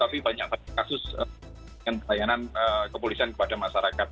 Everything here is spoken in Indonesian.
hanya terkait dengan kasus yang ditayangan kepolisian kepada masyarakat